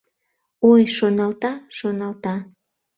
Ой, шоналта, шоналта.